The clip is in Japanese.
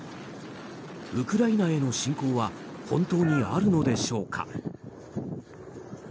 ウクライナへの侵攻は本当にあるのでしょうか。